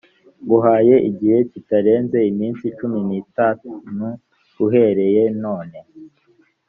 nguhaye igihe kitarenze iminsi cumi n itanu uhereye none